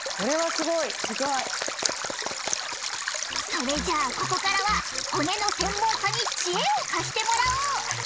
すごい！それじゃあここからは骨の専門家に知恵を貸してもらおう！